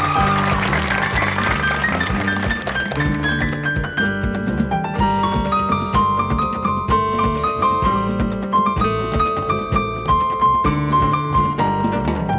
สวัสดีครับ